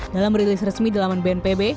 dalam rilis resmi dalaman bnpb